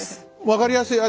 分かりやすい。